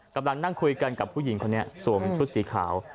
กำลังนั่งคุยกันกับผู้หญิงคนนี้สวมชุดสีขาว